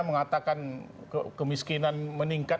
mengatakan kemiskinan meningkat